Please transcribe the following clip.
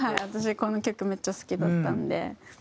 私この曲めっちゃ好きだったんで。